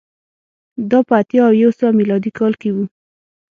دا په اتیا او یو سوه میلادي کال کې و